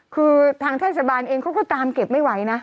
คือทางเทศบาลเองเขาก็ตามเก็บไม่ไหวนะ